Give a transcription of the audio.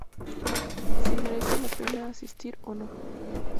si merece la pena asistir o no